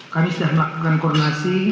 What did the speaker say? kami sudah melakukan koordinasi